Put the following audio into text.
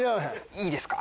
いいですか？